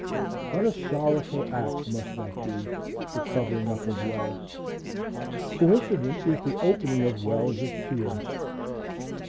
What a sorrowful act must that be,—the covering up of wells! coincident with the opening of wells of tears.